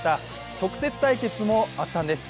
直接対決もあったんです。